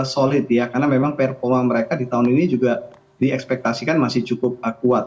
solid ya karena memang performa mereka di tahun ini juga diekspektasikan masih cukup kuat